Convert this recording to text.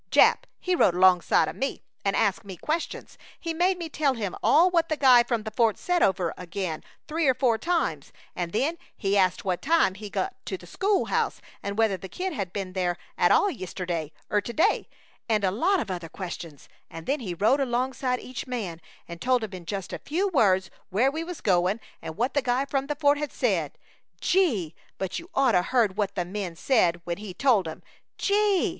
Jap, he rode alongside o' me and asked me questions. He made me tell all what the guy from the fort said over again, three or four times, and then he ast what time he got to the school house, and whether the Kid had been there at all yest'iday ur t'day; and a lot of other questions, and then he rode alongside each man and told him in just a few words where we was goin' and what the guy from the fort had said. Gee! but you'd oughta heard what the men said when he told 'em! Gee!